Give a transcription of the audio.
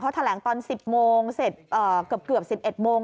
แถลงตอน๑๐โมงเสร็จเกือบ๑๑โมง